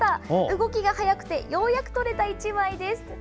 動きが早くてようやく撮れた一枚です。